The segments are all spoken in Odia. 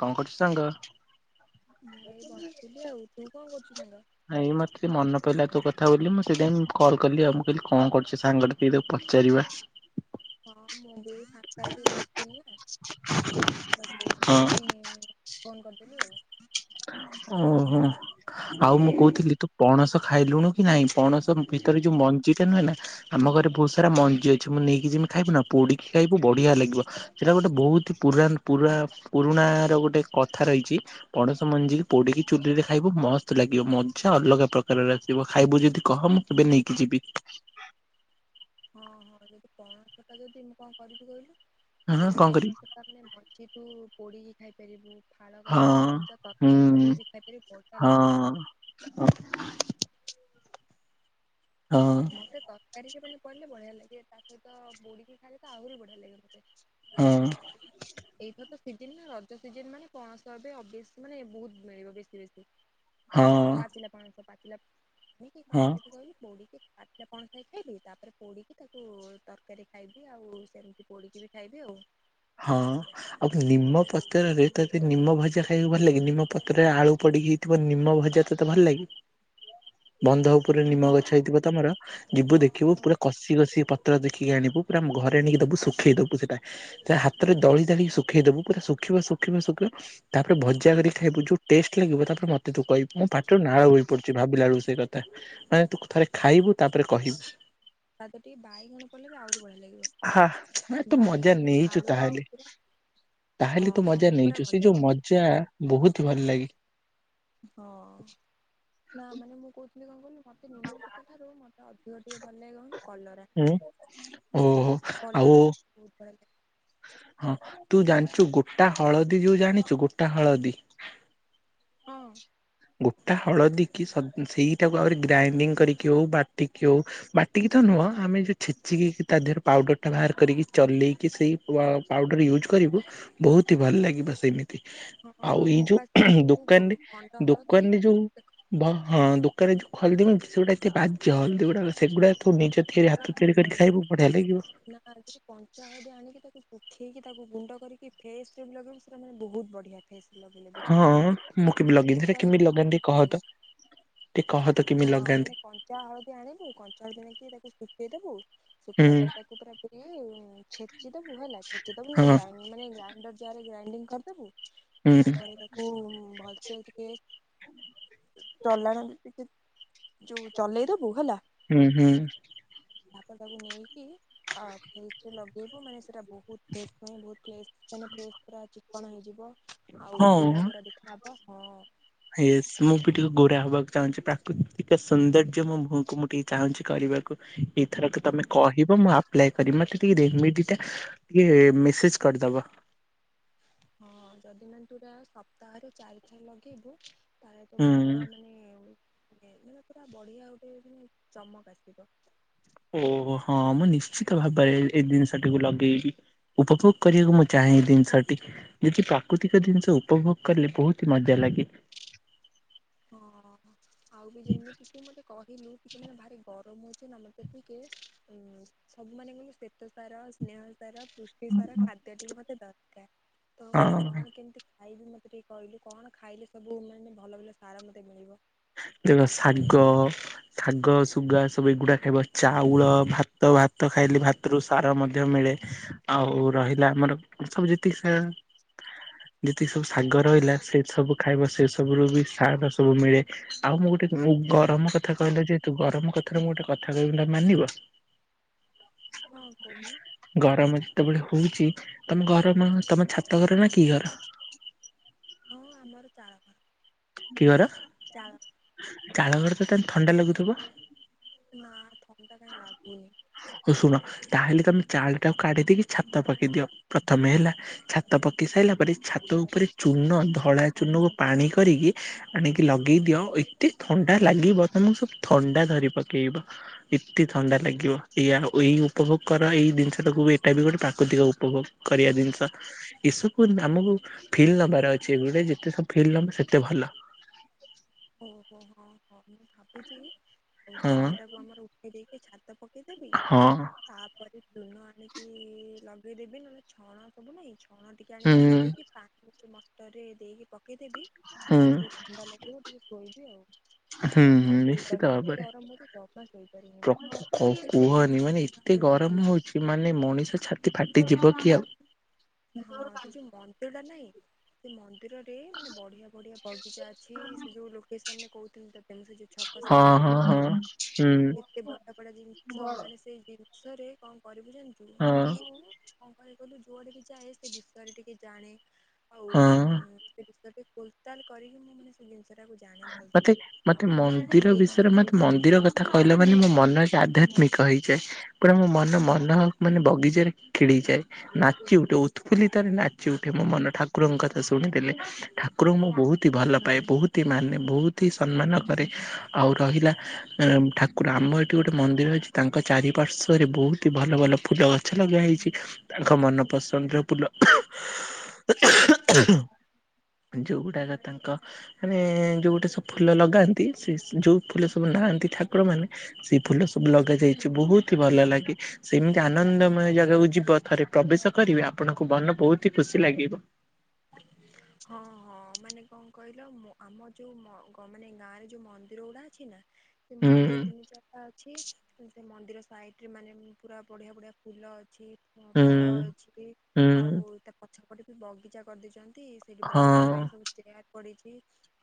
କଣ କରୁଚୁ ସାଙ୍ଗ? ମୁଁ ଏଇ ବସିଥିଲି ଆଉ ତୁ କଣ କରୁଚୁ ସାଙ୍ଗ? ନାଇଁ ମତେ ଟିକେ ମନ ପାଇଲା ତୋ କଥା ବୋଲି ମୁଁ ସେଇଥିପାଇଁ କଲ୍ କଲି ଆଉ ମୁଁ କହିଲି କଣ କରୁଚି ସାଙ୍ଗଟା ଟିକେ ତାକୁ ପଚାରିବା। [inaudible] ହଁ ମୁଁ ଵି ଏଇ ଫାଙ୍କା ହେଇକି ବସିଥିଲି ନା। ଆଉ ସେଇଥି ପାଇଁ ଫୋନ କରିଦେଲି ଆଉ। ଓହୋ ଆଉ ମୁଁ କହୁଥିଲି ତୁ ପଣସ ଖାଇଲୁଣୁ କି ନାଇଁ ପଣସ? ଭିତରେ ଯୋଉ ମ ମଞ୍ଜି ଟା ନୁହେଁ ନା ଆମ ଘରେ ବହୁତ ସାରା ମଞ୍ଜି ଅଛି ମୁଁ ନେଇକି ଜିମି ଖାଇବୁ ନା ପୋଡିକି ଖାଇବୁ ବଢିଆ ଲାଗିବ। ସେଇଟା ଗୋଟେ ବହୁତି ପୁରାନ ପୁରା ପୁରୁଣା ର ଗୋଟେ କଥା ରହିଛି ପଣସ ପଣସ ମଞ୍ଜିକି ପୋଡ଼ିକି ଚୁଲିରେ ଖାଇବୁ ମସ୍ତ ଲାଗିବ ମଜା ଅଲଗା ପ୍ରକାରର ଆସିବ ଖାଇବୁ ଯଦି କହ ମୁଁ ଏବେ ନେଇକି ଯିବି। ହଁ ହଁ ଯଦି ପଣସଟା ଯଦି ମୁଁ କଣ କରିବି କହିଲୁ ହଁ ଯଦି କଣ କରିବି ପଣସ ତାପରେ ମଞ୍ଜିକୁ ପୋଡିକି ଖାଇପାରିବୁ। ଫାଳ ହଁ କରିକି କଞ୍ଚା ହୁଁ ତରକାରୀ ପକେଇକି ଖାଇଲେ ବଢିଆ ଲାଗିବ। ହଁ। ହଁ। ମୋତେ ତରକାରୀରେ ମାନେ ପଡ଼ିଲେ ବଢ଼ିଆ ଲାଗେ ତା ସହିତ ପୋଡ଼ିକି ଖାଇଲେ ତ ଆହୁରି ବଢିଆ ଲାଗେ ମୋତେ। ହଁ। ଏଇ ଟା ତ ସିଜନ ନା ରଜ ସିଜନ ମାନେ ପଣସ ଏବେ [unintelligible] ମାନେ ବହୁତ ମିଳିବ ବେଶୀ ବେଶୀ। ହଁ ତ ପାଚିଲା ପଣସ ପାଚିଲା କୁ କଣ ହଁ କରିବୁ କହିଲୁ ପୋଡିକି ପାଚିଲା ପଣସ ଖାଇବି ତାପରେ ପୋଡ଼ିକି ତାକୁ ତରକାରୀ ଖାଇବି ଆଉ ସେମିତି ପୋଡ଼ିକି ବି ଖାଇବି ଆଉ। ହଁ। ଆଉ ନିମ ପତ୍ରରେ ତଦେ ନିମ ଭଜା ଖାଇବାକୁ ଭଲ ଲାଗେ ନିମ ପତ୍ରରେ ଆଳୁ ପଡିକି। ଥିବ ନିମ ଭଜା ତତେ ଭଲ ଲାଗେ? ହ [unintelligible] ପୁରା ନିମ ଗଛ ହେଇଥିବ ତମର ଯିବୁ ହଁ ଦେଖିବୁ ହଁ ପୁରା କଷି କଷିକି ପତ୍ର ଦେଖିକି ଆଣିବୁ ପୁରା ଘରେ [unintelligible] ଦବୁ ଶୁଖେଇ ଦବୁ ସେଟା ହାତରେ ଦଳି ଦାଳ ଶୁଖେଇ ଦବୁ ପୁରା ଶୁଖିବ ଶୁଖିବ ଶୁଖିବ ତାପରେ ଭଜା କରିିକି ଖାଇବୁ ଯୋଉ ଟେଷ୍ଟ ଲାଗିବ ତାପରେ ମତେ ତୁ କହିବୁ ମୋ ପାଟିରୁ ନାଳ ବୋହି ପଡଛି ଭାବିଲା ବେଳକୁ ସେ କଥା। ମାନେ ତୁ ଥରେ ଖାଇବୁ ତାପରେ କହିବୁ। ତା ଟିକେ ବାଇଗଣ ପଡିଲେ ବି ଆହୁରି ବଢିଆ ହା ମାନେ ତୁ ଲାଗିବ ମଜା ବାଇଗଣ ନେଇଛୁ ଆଳୁ ଆଉ ତାହେଲେ। ପୁରା ହଁ ତାହେଲେ ତୁ ହଁ ମଜା ମୁଁ ପୁରା ନେଇଛୁ ସେ ମଜା ଯୋଉ ଦେଇଛି। ବହୁତ ଭଲ ଲାଗେ। ହଁ ନା ମାନେ ମୁଁ କହୁଥିଲି କଣ ଲାହିଲୁ ମତେ ନିମ ପିତା ଠାରୁ ମୋତେ ଅ [unintelligible] ଭଲ ଲାଗେ କଲରା ହୁଁ ଓହୋ ଆଉ କଲରା ଟା ବହୁତ ବଢିଆ ଲାଗେ। ହଁ ତୁ ଜାଣିଛୁ ଗୋଟା ହଳଦୀ ଯୋଉ ଜାଣିଛୁ ଗୋଟା ହଳଦୀ? ହଁ। ଗୋଟା ହଳଦୀ କି ସ ସେଇଟାକୁ ଆହୁରି ଗ୍ରାଇଣ୍ଡିଙ୍ଗ କରିକି ହଉ ବାଟିକି ହଉ ବାଟିକି ତ ନୁହଁ ଆମେ ଯଉ ଛେଚିକି ତା ଦେହରେ ପାଉଡର ଟା ବାହାର କରିକି ଚଲେଇକି ସେଇ ପାଉଡର ୟୁଜ୍ କରିବୁ ବହୁତ ହି ଭଲ ଲାଗିବ ସେମିତି ଆଉ ହଁ ଏଇ ମୁଁ ପା ସେଇ ଯୋଉ ଦୋକାନରେ ଖଣ୍ଡ ହଳଦୀ ଦୋକାନରେ ସେ ଯୋଉ ହଁ ଦୋକାନରେ ଯୋଉ ହଲଦୀ ମିଳୁଚି ସେଗୁଡ଼ା ଏତେ ବାଜେ ହଳଦୀ ଗୁଡା ସେଗୁଡା ତୁ ନିଜ ତିଆରି ଖଣ୍ଡ ଟା ହାତ ତିଆରି ଭଲ କରି ନୁହଁ ଖାଇବୁ ବଢିଆ ଲାଗିବ। କଞ୍ଚା ହଳଦୀ ଆଣିକି ତାକୁ ସୁଖେଇକି ତାକୁ ଗୁଣ୍ଡ କରିକି ଫେସ୍ କ୍ରିମ୍ ଲଗେଇବ ସେଇଟା ମାନେ ବହୁତ ବଢିଆ। ଫେସ ଲବ ଲ ବି ହଁ ମୁଁ କେବେ ଲଗେଇନି ଫେସ ପାଇଁ କି ସେଇଟା ବହୁତ ବଢିଆ। ଟ କହ ତ। ହଁ କେମିତି ଲଗାନ୍ତି? ମାନେ କଞ୍ଚା ହଳଦୀ ଆଣିବୁ କଞ୍ଚା ହଳଦୀ ଆଣିକି ଶୁଖେଇ ଦବୁ ଶୁଖେଇିଲା ହୁଁ ପରେ ତାକୁ ପୁରା ପ ଛେଚି ଦବୁ ହେଲା ଛେଚିଦବୁ ନଲେ ହଁ ଗ୍ରାଇ ମାନେ ଗ୍ରାଇଣ୍ଡର ଯାରରେ ଗ୍ରାଇଡିଙ୍ଗ କରିଦବୁ ହୁଁ ତାପରେ ତାକୁ ଭଲସେ ଟିକେ ଚଲାଣ ବି ଟିକେ ଯୋଉ ଚଲେଇଦବୁ ହେଲା ହୁଁ ହୁଁ। ଆପଣ ତାକୁ ନେଇକି ଅଫିସ ରେ ଲଗେଇବୁ ମାନେ ସେଟା ବହୁତ ଫ୍ରେସ। ଫେସ୍ ପୁରା ଚିକଣ ହେଇଯିବ ଆଉ ଗୋର ଗୋରା ଦେଖାହବ ହଁ ୟେସ ମୁଁ ବି ଟିକେ ଗୋରା ହବାକୁ ଚାହୁଁଛି ପ୍ରାକୃତିକ ସୌନ୍ଦର୍ଯ୍ୟ ମୋ ମୁହଁକୁ ମୁଁ ଟିକେ ଚାହୁଁଛି କରିବାକୁ। ଏଇଥରକ ତମେ କହିବ ମୁଁ ଆ କରି ମତେ ଟିକେ ରେମେଡୀ ଟା ଟିକେ ମେସେଜ କରିଦବ। ହଁ ଯଦି ମାନେ ତୁ ଏଟା ସପ୍ତାହରେ ଚାରିଥର ଲଗେଇବୁ। ତାହାଲେ ତାେ ହୁଁ ମୁହର ମାନେ ମ ପୁରା ବଢ଼ିଆ ଗୋଟେ ମାନେ ଚମକ ଆସିବ। ଓହୋ ହଁ ମୁଁ ନିଶ୍ଚିତ ଭାବରେ ଏ ଜିନିଷଟିକୁ ଲଗେଇବି। ଉପଭୋଗ କରିବାକୁ ମୁ ଚାହେଁ ଏଇ ଜିନୀସ ଟି। ଯେକି ପ୍ରାକୃତିକ ଜିନିଷ ଉପଭୋଗ କଲେ ବହୁତ ହି ମଜା ଲାଗେ। ହଁ ଆଉ ବି ଯେମିତି କି ମତେ କହିଲୁ। ମାନେ ଭାରି ଗରମ ହଉଛି ନା ମତେ ଟିକେ ଉଁ ସବୁ ମାନେଙ୍କୁ ଶ୍ଵେତ ସାର ସ୍ନେହ ସାର ପୁଷ୍ଟି ସାର ଖାଦ୍ୟ ଟିକେ ମତେ ଦରକାର ତ ମାନେ ହଁ କଣ କେମିତି ଖାଇବି ମତେ ଟିକେ କହିଲୁ କଣ ଖାଇଲେ ସବୁ ମାନେ ଭଲ ଭଲ ସାର ମତେ ମିଳିବ। ଦେଖ ଶାଗ। ଶାଗ ଶୁଗା ସବୁ ଏଗୁଡା ଖାଇବ ଚାଉଳ ଭାତ ଭାତ ଖାଇଲେ ଭାତ ଥିରୁ ସାର ମଧ୍ୟ ମିଳେ ଆଉ ରହିଲା ଆମର ସବୁ ଯେତିକି ସେ ଯେତିକି ସବୁ ଶାଗ ରହିଲା ସେ ସବୁ ଖାଇବା ସେ ସବୁ ରୁ ବି ସାର ସବୁ ମିଳେ। ଆଉ ମୁଁ ଗୋଟେ ଗରମ କଥା କହିଲା ଯେହେତୁ ଗରମ କଥାରେ ମୁଁ ଗୋଟେ କଥା କହିବି ନା ମାନିବ। ହଁ କହୁ ନା। ଗରମ ଯେତେବେଳେ ହଉଛି ତମ ଘର ତମ ଛାତ ଘର ନା କି ଘର। ହଁ ଆମର ଚାଳ ଘର। କିଘର ଚାଳ ଚାଳଘର ତ ତା ହେଲେ ଥଣ୍ଡା ଲାଗୁଥିବ। ନା ଥଣ୍ତା କାଇଁ ଲାଗୁନି। ଓଉ ଶୁଣ ତାହେଲେ ତମେ ଚାଳ ଟାକୁ କାଢି ଦେଇକି ଛାତ ପକେଇ ଦିଅ ପ୍ରଥମେ ହେଲା। ଛାତ ପକି ସାରିଲା ପରେ ଛାତ ଉପରେ ଚୂର୍ନ ଧଳା ଚୂନକୁ ପାଣି କରିକି। ଆଣିକି ଲଗେଇ ଦିଅ ଏତେ ଥଣ୍ଡା ଲାଗିବ ତମକୁ ସବୁ ଥଣ୍ଡା ଧରି ପକେଇବ। ଏତେ ଥଣ୍ଡା ଲାଗିବ। ଏଇଆ ଏଇ ଉପଭୋଗ କର ଏଇ ଜିନିଷଟାକୁ ଏଇଟା ବି ଗୋଟେ ପ୍ରାକୃତିକ ଉପଭୋଗ କରିବା ଜିନିଷ। ଏସବୁ ଆମକୁ ଫିଲ୍ ନବାର ଅଛି ଏଗୁଟେ ଯେତେ ସବୁ ଫିଲ୍ ନବ ସେତେ ଭଲ। ଓହୋ ହୋ ହୋ ହଁ ହଁ ମୁଁ ଭାବୁଚି ଓଉ ହଁ। ଚାଳଟାକୁ ଆମର ଉଠେଇ ଦେଇକି ଛାତ ପକେଇ ଦେବି। ହଁ ତାପରେ ଚୁନ ଆଣିକି ଲଗେଇ ଦେବି ନହେଲେ ଛଣ ସବୁ ନାଇଁ ଛଣ ଟି କେ ଆଣି ହୁଁ ପକେଇ ଦେଇକି ପାଣି ହୋଉଚି ମଟରରେ ଦେଇକି ପକେଇ ଦେବି ହୁଁ ତାପରେ [unintelligible] ଥଣ୍ଡା ଲାଗିବ ଟିକେ। ଶୋଇବି ଆଉ ହୁଁ ଜମା ହୁଁ ନିଶ୍ଚିତ ଶୋଇପାରୁନି ଏତେ ଭାବରେ। ଗରମ ହୋଉଚି ଜମା ଶୋଇପାରୁନି ପ୍ର ମୁଁ? କୁହନି ମାନେ ଏତେ ଗରମ ହୋଉଚି ମାନେ ମଣିଷ ଛାତି ଫାଟିଯିବ କି ଆଉ। ହଁ ସେ ଯୋଉ ମଣ୍ଟୁ ଦା ନାଇଁ। ସେ ମନ୍ଦିରରେ ମାନେ ବଢିଆ ବଢିଆ ବଗିଚା ଅଛି। ସେ ଯୋଉ ଲୋକୋସନରେ କଉଥିଲି ତତେ ସେ ଯୋଉ ଛକ ହଁ ସାଇଟି ଯୋଉ ହଁ ହଁ ମନ୍ଦିର ହୁଁ ଏତେ ବଟ ଟଡା ଜିନିଷ ମାନେ ସେଇ ଜିନଷରେ କଣ କରିବୁ ଜାଣିଚୁ ହଁ ମାନେ ମୁଁ କଣ କହିବି କହିଲୁ ଯୁଆଡେ ବି ଚାହେ ସେ ବିଷୟରେ ଟିକେ ଜାଣେ ଆଉ ହଁ। ସେ ବିଷୟରେ ଟିକେ ଖୋଲତାଲ କରିକି ମୁଁ ମାନେ ସେ ଜିନିଷଟାକୁ ଜାଣେ ମତେ ଭଲସେ। ମତେ ମନ୍ଦିର ବିଷୟରେ ମତେ ମନ୍ଦିର କଥା କହିଲେ ମାନେ ମୋ ମନଟା ଆଧ୍ୟାତ୍ମିକ ହେଇଯାଏ। ପୁରା ମୋ ମନ ମନ ମାନେ ବଗିଚାରେ କିଳିହେଇଯାଏ। ନାଚି ଉଠେ ଉତଫୁଲ୍ଲିତରେ ନାଚି ଉଠେ ମୋ ମନ ଠାକୁରଙ୍କ କଥା ଶୁଣିଦେଲେ। ଠାକୁରଙ୍କୁ ମୁଁ ବୋହୁତ ହି ଭଲ ପାଏ ବୋହୁ ତି ମାନେ ବୋହୁତି ହି ସମ୍ମାନ କରେ ଆଉ ରହିଲା ଏଁ ଠାକୁର ଆମ ଏଠି ଗୋଟେ ମନ୍ଦିର ଅଛି ତାଙ୍କ ଚାରିପାର୍ଶ୍ଵରେ ବୋହୁତି ଭଲ ଭଲ ଫୁଲ ଗଛ ଲଗା ହେଇଚି ତାଙ୍କ ମନ ପସନ୍ଦର ଫୁଲ [unintelligible] [unintelligible] ଯୋଉ ଗୁଡାକ ତାଙ୍କ ମାନେ ଯୋଉ ଗୋଟେ ସବ୍ ଫୁଲ ଲଗାନ୍ତି। ସେ ଯୋଉ ଫୁଲ ସବୁ ନାଆନ୍ତି ଠାକୁରମାନେ ସେଇ ଫୁଲ ସବୁ ଲଗା ଯାଇଚି ବୋହୁତ ହି ଭଲ ଲାଗେ। ସେମିତି ଆନନ୍ଦମୟ ଜାଗାକୁ ଯିବ ଥରେ ପ୍ରବେଶ କରିବେ ଆପଣଙ୍କୁ ମନ ବୋହୁତ ହି ଖୁସି ଲାଗିବ। ହଁ ହଁ ମାନେ କଣ କହିଲ ମୋ ଆମ ଯୋଉ ମ ଗ ମାନେ ଗାଁ ରେ ଯୋଉ ମ ମନ୍ଦିର ଗୁଡା ଅଛି ନା ସେ ହୁଁ ମନ୍ଦିର ତିନି ଚାରିଟା ଅଛି ଉଁ [unintelligible] ସେ ମନ୍ଦିର ସାଇଟିରେ ମାନେ ପୁରା ବଢିଆ ବଢିଆ ଫୁଲ ଅଛି ଉଁ ହୁଁ ଫଳ ଅଛି। ଆଉ ହୁଁ ତା ପଛ ପଟେ ବି ବଗିଚା କରିଦେଇଚନ୍ତି। ସେଇଠି ହଁ ବସିବା ପାଇଁ ସବୁ ଚେୟାର ପଡିଚି।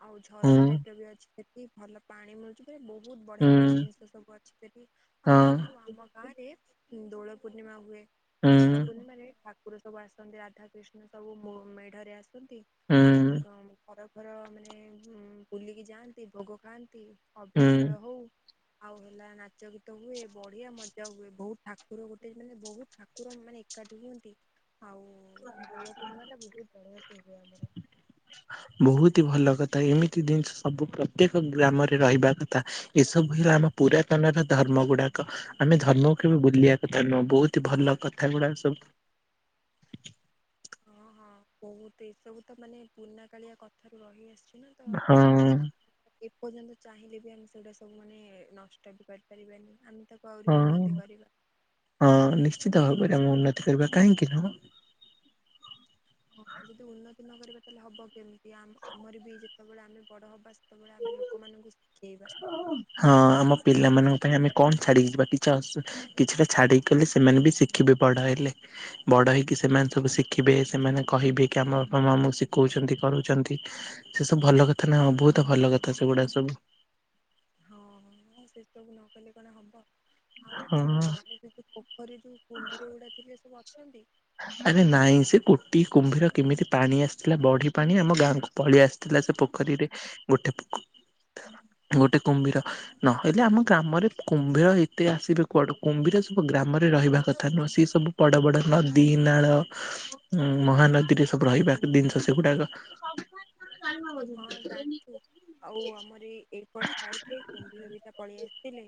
ଆଉ ହୁଁ ଝରଣା ଟାଇପର ବି ଅଛି ସେଠି ଭଲ ପାଣି ମିଳୁଚି। ରେ ବୋହୁତ ବଢିଆ ହୁଁ ବଢିଆ ଜିନିଷ ସବୁ ଅଛି ସେଠି ଆଉ ହଁ ଜାଣିଛୁ ଆମ ଗାଁ ରେ ଦୋଳ ପୂର୍ଣ୍ଣିମା ହୁଏ ଦୋଳ ହୁଁ ପୂର୍ଣ୍ଣିମାରେ ଠାକୁର ସବୁ ଆସନ୍ତି ରାଧା କୃିଷ୍ଣ ସବୁ ମୋ ମେଢରେ ଆସନ୍ତି ଆଉ ହୁଁ କଂ ଖରା ଧର ମାନେ ହୁଁ ବୁଲିକି ଯାଆନ୍ତି ଭୋଗ ଖାଆନ୍ତି ଅଭିର ହୁଁ ଖେଳ ହଉ ଆଉ ହେଲା ନାଚ ଗୀତ ହୁଏ ବଢିଆ ମଜା ହୁଏ। ବୋହୁତ ଠାକୁର ଗୋଟେ ମାନେ ବୋହୁ ଠାକୁର ମାନେ ଏକାଠି ହୁଅନ୍ତି ଆଉ ଦୋଳ ପୂର୍ଣ୍ଣିମାଟା ବୋହୁତ ବଢିଆ ସେ ହୁଏ ଆମର। ବୋହୁତ ହି ଭଲ କଥା ଏମିତି ଜିନିଷ ସବୁ ପ୍ରତ୍ୟେକ ଗ୍ରାମରେ ରହିବା କଥା। ଏସବୁ ହେଲା ଆମ ପୁରାତନର ଧର୍ମ ଗୁଡାକ। ଆମେ ଧର୍ମକୁ କେବେ ଭୁଲିବା କଥା ନୁହଁ ବୋହୁତି ଇ ଭଲ କଥାଗୁଡା ସବୁ। ହଁ ହଁ ବୋହୁତ ଏସବୁ ତ ମାନେ ପୁରୁଣା କାଳିଆ କଥାରୁ ରହି ଆସିଚି ନା। ତ ହଁ ହୁଁ। ଏପର୍ଯ୍ୟନ୍ତ ଚାହିଁଲେ ବି ଆମେ ସେଗୁଡା ସବୁ ମାନେ ନଷ୍ଟ ବି କରିପାରିବାନି ଆମ୍ ତାକୁ ଆହୁରି ଉନ୍ନତି ହଁ। କରିବା। ହଁ ନିଶ୍ଚିତ ଭାବରେ ଆମେ ଉନ୍ନତି କରିବା କାହିଁକି ନୁହଁ। ହଁ ଯଦି ଉନ୍ନତି ନ କରିବା ତାହଲେ ହବ କେମତି ଆମ ଆମର ବି ଯେତବେଳେ ଆମେ ବଡ ହବା ସେତେବେଳେ ଆମେ ଲୋକମାନଙ୍କୁ ଶିଖେଇବା। ହଁ ଆମ ପିଲାମାନଙ୍କ ପାଇଁ ଆମେ କଣ ଛାଡିକି ଯିବା କିଛି [unintelligible] କିଛିଟା ଛାଡିକିଗଲେ ସେମାନେ ବି ଶିଖିବେ ବଡ ହେଲେ। ବଡ ହେଇକି ସେମାନେ ସବୁ ଶିଖିବେ ସେମାନେ କହିବେ କି ଆମ ବାପା ମା ଆମକୁ ଶିଖଉଚନ୍ତି କରୁଚନ୍ତି। ସେ ସବୁ ଭଲ କଥା ନା ବହୁତ୍ ଭଲ କଥା ସେଗୁଡା ସବୁ। ହଁ ହଁ ସେସବୁ ନକଲେ କଣ ହବ। ଆଉ ହଁ। ତମ ଗାଁରେ ଯଦିପୋ ପୋଖରିରୁ କୁମ୍ଭୀର ଗୁଡା ଥିଲେ ସବୁ ଅଛନ୍ତି? ଆରେ ନାଇଁ ସେ ଗୋଟିଏ କୁମ୍ଭୀର କେମିତି ପାଣି ଆସିଥିଲା ବଢି ପାଣି ଆମ ଗାଁକୁ ପଳେଇ ଆସି ଥିଲା ସେ ପୋଖରୀରେ ଗୋଟେ [unintelligible] ଗୋଟେ କୁମ୍ଭୀର। ନ ହେଲେ ଆମ ଗ୍ରାମରେ କୁମ୍ଭୀର ଏତେ ଆସିବେ କୁଆଡୁ। କୁମ୍ଭୀର ସବୁ ଗ୍ରାମରେ ରହିବା କଥା ନୁହଁ ସିଏ ସବୁ ବଡ ବଡ ନ ଦୀ ନାଳ ଉମ ମହାନଦୀରେ ସବୁ ରହିବାକ ଜିନିଷ ସେଗୁଡାକ। ଅ ଜାଣିଚୁ? ଆଉ ଆମର ଏଇ ଏପଟ ସାଇଟି କୁମ୍ଭୀର ଦିଟା ପଳେଇ ଆସିଥିଲେ।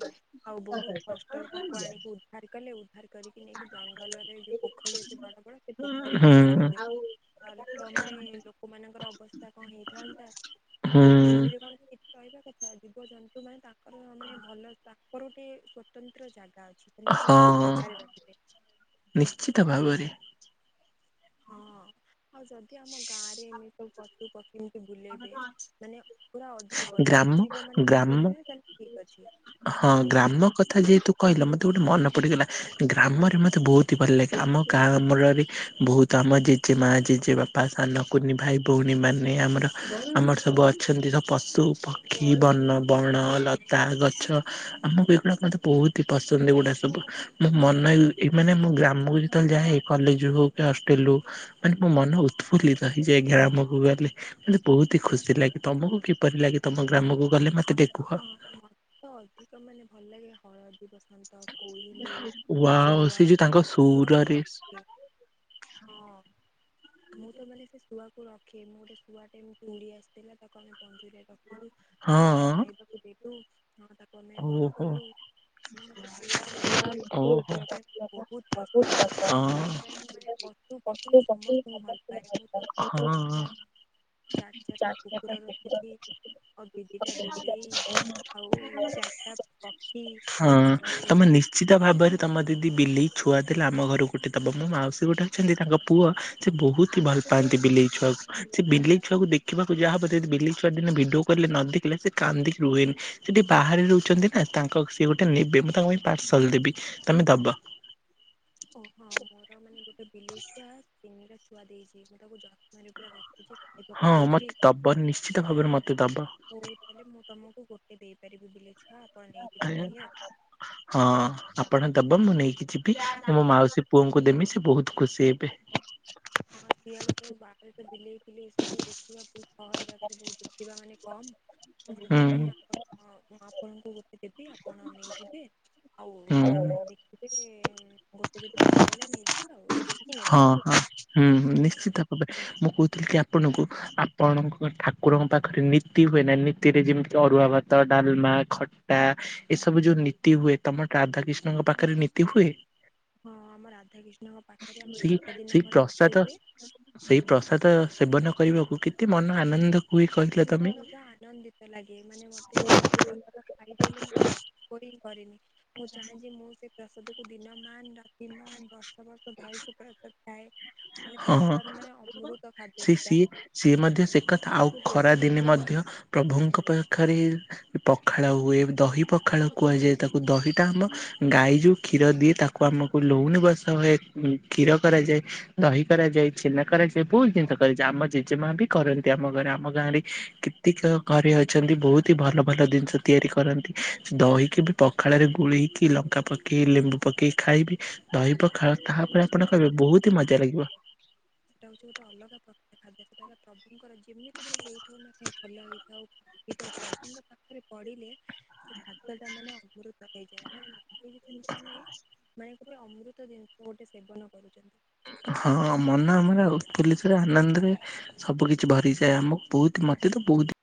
ଆଉ ବହୁତ୍ କଷ୍ଟରେ ତାଙ୍କୁ ଆଣିକି ଉଦ୍ଧାର କଲେ ଉଦ୍ଧାର କରିକି ନେଇକି ଜଙ୍ଗଲରେ ଯୋଉ ପୋଖରୀ ଅଛି ବଡ ବଡ ସେ ପୋଖରୀ ହୁଁ ନେଇ ଛାଡିଦେ। ଖାଲିତ ମାନେ ଲୋକମାନଙ୍କର ଅବସ୍ଥା କଣ ହେଇ ଥାନ୍ତା। ହୁଁ ଆଉ କୁମ୍ଭୀରେ କଣ ସେଠି ରହିବା କଥା ଜୀବଜନ୍ତୁ ମାନେ ତା ଙ୍କର ମାନେ ଭଲ ତାଙ୍କର ଗୋଟେ ସ୍ଵତନ୍ତ୍ର ଜାଗା ଅଛି ସେମାନେସେ-ସେ ହଁ ଜାଗାରେ ରହିବେ। ନିଶ୍ଚିତ ଭାବରେ। ହଁ ଆଉ ଯଦି ଆମ ଗାଁରେ ଏମିତି ସବୁ ପଶୁ ପକ୍ଷୀ ଏମିତି ବୁଲେଇବେ ମାନେ ପୁରା ଅଜୀବ ଗ୍ରାମ ନିର୍ଜୀବ ମାନେ ଯଦି ଗ୍ରାମ ବୁଲିବେ ତାହେଲେ ଠିକ୍ ଅଛି। ହଁ ଆଉ ଗ୍ରାମ କ ଥା ଯେହେତୁ କହିଲ ମତେ ଗୋଟେ ମନ ପଡିଗଲା। ଗ୍ରାମରେ ମୋତେ ବହୁତି ହି ଭଲ ଲାଗେ। ଆମ ଗାଁମ୍ରରେ ବହୁତ୍ ତମ ଜେଜେ ମାଆ ଜେଜେ ବାପା ସାନ କୁନି ଭାଇ ଭଉଣୀ ମାନେ ଆମର ଆମର ସବୁ ଅଛନ୍ତି ତ ପଶୁ ପକ୍ଷୀ ବନ ବଣ ଲତା ଗଛ ଆମକୁ ଏଗୁଡାକ ମତେ ବହୁତି ହି ପସନ୍ଦ ଏଗୁଡା ସବୁ ମୁଁ ମନ ଏମିତି ମାନେ ମୋ ଗ୍ରାମକୁ ଯେତେବେଳେ ଯାହେ କଲେଜରୁ ହୋଉ କି ହଷ୍ଟେଲରୁ ତାଙ୍କ ମନ ଉତଫୁଲ୍ଲିତ ହେଇଯାଏ ଗ୍ରାମକୁ ଗଲେ। ମତେ ବହୁତି ହି ଖୁସି ଲାଗେ। ତମକୁ କିପରି ଲାଗେ ତମ ଗ୍ରାମକୁ ଗଲେ? ମତେଟିକିଏ ହଁ ମ ତ ଅଧିକ ମାନେ ଭଲ ଲାଗେ ହଳ ଦୀ ବସନ୍ତ କୋଇଲି ୱାଓ କୁଆ ସେ ଯୋଉ ତାଙ୍କ ମତେତ କୁଆକୁ ସୁରରେ ରଖେ। ହଁ। ମୁଁ ତ ମାନେ ସେ ଶୁଆକୁୁ ରଖେ ମୁଁ ଗୋଟେ ଶୁଆ ଟେ ଏମିତି ଉଡି ଆସିଥିଲା ତାକୁ ଆମେ ପଞ୍ଜୁରିରେ ରଖିଲୁ। ତାକୁ ଆମେ ହଁ ଖାଇବାକୁ ଦେଲୁ। ହଁ ତାକୁ ଆମେ ବଡ ଓହୋ। କଲୁ। ଫୁଣି ମତେ ଶୁଆ ମିଟୁ ଏ ସବୁ ଓହୋ ରଖିବା ପାଇଁ ବହୁତ୍ ହଁ ପସନ୍ଦ ସେଥିପାଇଁ ମୁଁ ମାନେପ ପଶୁ ପକ୍ଷୀ ସମସ୍ତଙ୍କୁ ଭଲ ପାଏ। ମୁଁ ତ ହଁ। ଚାରି ଚାରିଟା କୁକୁର ରଖିଚି ଆଉ ଦି ଦିଟା ବିଲେଇ ଆଉ ଚା [inaudible] ହଁ ତମେ ନି ଶ୍ଚିତ ଭାବରେ ତମ ଦିଦି ବିଲେଇ ଛୁଆ ଦେଲେ ଆମ ଘରକୁ ଗୋଟେ ଦବ। ମୋ ମାଉସୀ ଗୋଟେ ଅଛନ୍ତି ତାଙ୍କ ପୁଅ ସେ ବହୁତି ହି ଭଲ ପାଆନ୍ତି ବିଲେଇ ଛୁଆକୁ। ସେ ବିଲେଇ ଛୁଆକୁ ଦେଖିବାକୁ ଯାହା ହବ। ଯଦି ବିଲେଇ ଛୁଆ ଦିନେ ଭିଡିଓ କଲରେ ନଦେଖିଲେ ସେ କାନ୍ଦିକି ରୁହେନି। ସେ ଟିକିଏ ବାହାରେ ର ଛନ୍ତି ନା ତାଙ୍କ ସେ ଗୋଟେ ନେବେ। ମୁଁ ତାଙ୍କ ପାଇଁ ପାର୍ସଲ ଦେବି ତମେ ଦବ। ଓହୋ ମୋର ମାନେ ଗୋଟେ ବିଲେଇ ଛୁଆ ତିନିଟା ଛୁଆ ଦେଇଚି। ମୁଁ ତାକୁ ଯତ୍ନରେ ପୁରା ରଖୁଚି। ହଁ ମତେ ଦବ। ନିଶ୍ଚିତ ଭାବରେ ମତେ ଦବ। ହଉ ହେଲେ ମୁଁ ତମକୁ ଗୋଟେ ଦେଇପାରିବି ବିଲେଇ ଛୁଆ। ଆପଣ ନେଇଯିବେ ତାହେଲେ ଆଉ। ଆ ହଁ ଆପଣ ଦବ ମୁଁ ନେଇକି ଯିବି ମୁଁ ମୋ ମାଉସୀ ପୁଅଙ୍କୁ ଦେମି ସେ ବହୁତ ଖୁସି ହେବେ। ହଁ ଶିଆଳେ ସବୁ ବାହାରେ ତ ବିଲେଇ ଫିଲେଇ ସବୁ ଦେଖିବା ବହୁତ ସହଳ ଜାଗାରେ ବହୁତ ଦେଖିବା ମାନେ କମ ତ ହୁଁ ସେଥିପାଇଁ ଆପଣ ଆପଣଙ୍କୁ ଟେ ଦେବି ଆପଣ ନେଇଯିବେ, ଆଉ ହୁଁ ଦେଖିବେ ଏଁ ଗୋଟେ ଯଦି ଭଲ ଲାଗିଲା ନେଇଯିବେ ଆଉ ଦେଖିକି ହଁ ନେବେ ଆଉ। ହଁ ହୁଁ ହୁଁ ମୁଁ ନିଶ୍ଚିତ ଭାବେ ମୁଁ କହୁଥିଲି କି ଆପଣଙ୍କୁ ଆପଣଙ୍କ ଠାକୁରଙ୍କ ପାଖରେ ନୀତି ହୁଏ ନା। ନୀତିରେ ଯେମିତି ଅରୁଆ ଭାତ, ଡାଲମା, ଖଟା ଏସବୁ ଯୋଉ ନୀତି ହୁଏ ତମର ରାଧା କିଷ୍ଣଙ୍କ ପାଖରେ ନୀତି ହୁଏ। ହଁ ଆମ ରାଧାକିଷ୍ଣଙ୍କ ପାଖରେ ଆମ ସେଇ ସାତ ଦିନ ସେଇ ପରେ ପ୍ରସାଦ ନିତି ହୁଏ। ସେଇ ପ୍ରସାଦ ସେବନ କରିବାକୁ କେତେ ମନ ଆନନ୍ଦ ହୁଏ କହିଲ। ତମେ ପୁରା ଆନନ୍ଦିତ ଲାଗେ ମାନେ ମତେ ଏମିତି କ କତ ଛାଡିଦେଲେ ମତେ ଆଉ ଉପରେ କରେନି ମୁଁ ଚାହେଁ ଯେ ମୁଁ ସେ ପ୍ରସାଦ କୁ ଦିନ ମାନ ରାତି ମାନ ବର୍ଷ ବର୍ଷ ଧରି ସେ ପ୍ରସାଦ ଥାଏ। ମାନେ ହଁ ପ୍ରସାଦ ମାନେ ଅମୃତ ଖାଦ୍ୟ ସେ ସେଟା। ସିଏ ସିଏ ମଧ୍ୟ ସେ କଥା ଆଉ ଖରାଦିନେ ମଧ୍ୟ ପ୍ରଭୁଙ୍କ ପାଖରେ ପଖାଳ ହୁଏ ଦହି ପଖାଳ କୁହାଯାଏ ତାକୁ ଦହିଟା ଆମ ଗାଈ ଯୋଉ କ୍ଷୀର ଦିଏ ତାକୁ ଆମକୁ ଲହୁଣୀ ବସା ହୁଏ କ୍ଷୀର କରାଯାଏ। ଦହି କରାଯାଏ ଛେନା କରାଯାଏ ବହୁତ ଜିନିଷ କରାଯାଏ। ଆମ ଜେଜେମା ବି କରନ୍ତି ଆମ ଘରେ ଆମ ଗାଁରେ କେତକ କରେ ଅଛନ୍ତି ବହୁତ ହି ଭଲ ଭଲ ଜିନିଷ ତିଆରି କରନ୍ତି। ଦହିକି ବି ପଖାଳରେ ଗୋଳେଇକି ଲଙ୍କା ପକେଇ ଲେମ୍ବୁ ପକେଇ ଖାଇବି। ଦହି ପ ଖାଳ ଖାଅ ତାପରେ ହଉଛି ଆପଣ ଗୋଟେ କହିବେ ଅଲଗା ବହୁତ ହି ମଜା ଲାଗିବ। ସେଟା ହଉଛି ଗୋଟେ ଅଲଗା ପ୍ରକାର ଖାଦ୍ୟ ସେଟା ପ୍ରଭୁଙ୍କର ଯେମିତି ବି ହେଇଥାଉ ନା କାଇଁ ଭଲ ହେଇଥାଉ। ହେଇଥାଉ ପ୍ରଭୁଙ୍କ ପାଖରେ ପଡ଼ିଲେ ସେ ଖାଦ୍ୟଟା ମାନେ ଅମ୍ବୃ ତା ଇଏ ମାନେ ଯେମତି ଆମେ ମାନେ ଗୋଟେ ଅମୃତ ଜିନିଷ ଗୋଟେ ସେବନ କରୁଚନ୍ତି। ହଁ ମନ ଆମର ଉତ୍ଫୁଲିତରେ ଆନନ୍ଦରେ ସବୁ କିଛି ଭରିଯାଏ ଆମକୁ ବହୁତ ମତେ ତ ବହୁତ